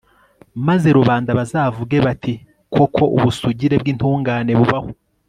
maze rubanda bazavuge bati koko ubusugire bw'intungane bubaho